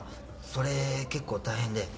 それ結構大変で。